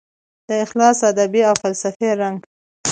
د اخلاص ادبي او فلسفي رنګ